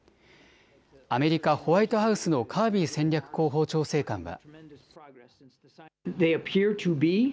アメリカ・ホワイトハウスのカービー戦略広報調整官は。